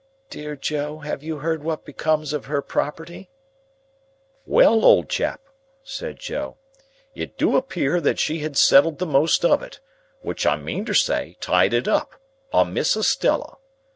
"Dear Joe, have you heard what becomes of her property?" "Well, old chap," said Joe, "it do appear that she had settled the most of it, which I meantersay tied it up, on Miss Estella.